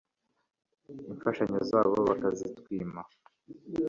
Imfashanyo zabo bakazitwima